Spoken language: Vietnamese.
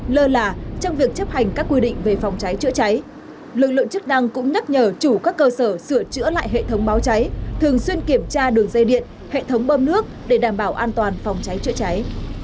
lơ là trong việc chấp hành các quy định về phòng cháy chữa cháy lực lượng chức năng cũng nhắc nhở chủ các cơ sở sửa chữa lại hệ thống báo cháy thường xuyên kiểm tra đường dây điện hệ thống bơm nước để đảm bảo an toàn phòng cháy chữa cháy